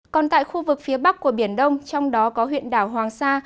còn tại khu vực phía bắc của biển đông trong đó có huyện đảo hoàng sa